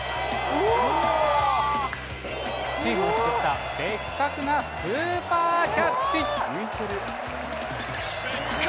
チームを救った別格なスーパーキャッチ。